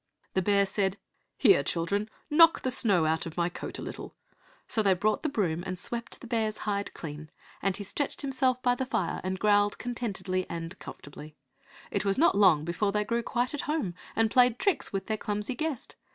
The bear said, "Here, children, knock the snow out of my coat a little;" so they brought the broom and swept the bear's hide clean; and he stretched himself by the fire and growled contentedly and comfortably. It was not long before they grew quite at home, and played tricks with their clumsy guest.